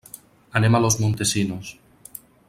Anem a Los Montesinos.